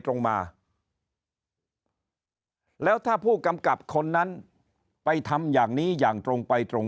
ตรงมาแล้วถ้าผู้กำกับคนนั้นไปทำอย่างนี้อย่างตรงไปตรง